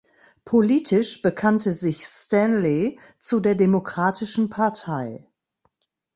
Politisch bekannte sich Stanley zu der Demokratischen Partei.